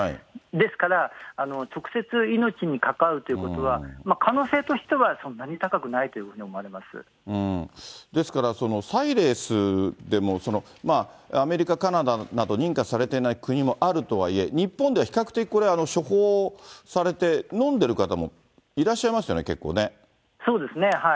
ですから直接、命に関わるということは、可能性としてはそんなに高くないというですからサイレースでも、アメリカ、カナダなど認可されてない国もあるとはいえ、日本では比較的、これは処方されて、飲んでる方もいらっしゃいますよね、結そうですね。